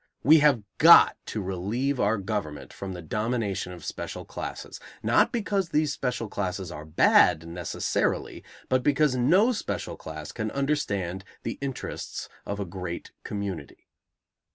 We have got to relieve our government from the domination of special classes, not because these special classes are bad, necessarily, but because no special class can understand the interests of a great community.